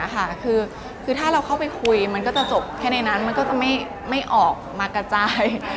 คือถ้าเราเข้าไปคุยมันก็จะจบแค่ในนั้นมันก็จะไม่ออกมากระจาย